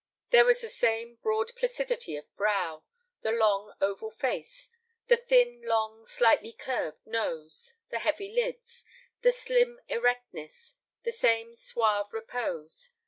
There was the same broad placidity of brow, the long oval face, the thin long slightly curved nose, the heavy lids, the slim erectness, the same suave repose.